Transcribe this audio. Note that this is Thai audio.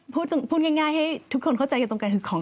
พูดง่ายให้ทุกคนเข้าใจกันตรงกันคือของ